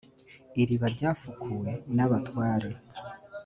iriba ryafukuwe n’abatware.